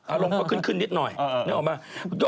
อารมณ์ก็ขึ้นนิดหน่อยนึกออกไหม